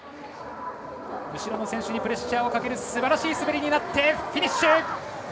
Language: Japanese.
後ろの選手にプレッシャーをかけるすばらしい滑りになってフィニッシュ！